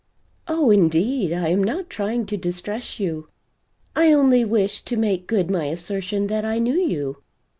"Oh indeed I am not trying to distress you. I only wished to make good my assertion that I knew you.